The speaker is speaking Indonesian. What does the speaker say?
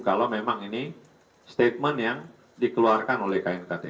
kalau memang ini statement yang dikeluarkan oleh knkt